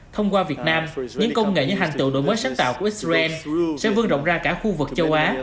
thông qua việt nam những công nghệ như hành tựu đổi mới sáng tạo của israel sẽ vươn rộng ra cả khu vực châu á